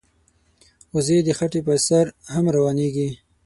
وزې د خټې پر سر هم روانېږي